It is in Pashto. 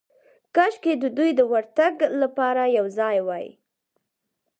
کاشکې د دوی د ورتګ لپاره یو ځای وای.